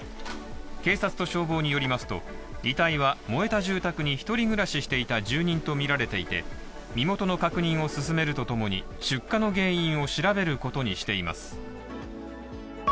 警察と消防によりますと、遺体は燃えた住宅に一人暮らししていた住人とみられていて、身元の確認を進めるとともに出火の原因を調べることにしています。